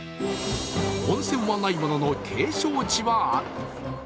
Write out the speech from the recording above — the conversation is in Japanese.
温泉はないものの、景勝地はある。